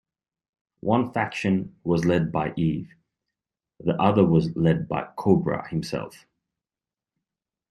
One faction was led by Eve; the other was led by Kobra himself.